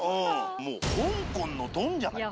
もう香港のドンじゃない？